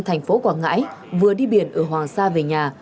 thành phố quảng ngãi vừa đi biển ở hoàng sa về nhà